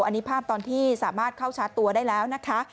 อันนี้ภาพตอนที่สามารถเข้าชาร์จตัวได้แล้วนะคะ